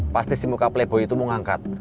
pasti si muka pelebo itu mau ngangkat